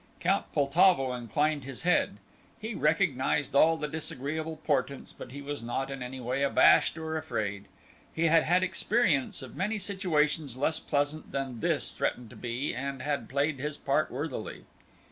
Count Poltavo inclined his head. He recognized all the disagreeable portents, but he was not in any way abashed or afraid. He had had experience of many situations less pleasant than this threatened to be and had played his part worthily.